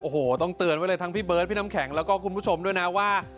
โอ้โหต้องเตือนไว้เลยทั้งพี่เบิร์ดพี่น้ำแข็งแล้วก็คุณผู้ชมด้วยนะว่า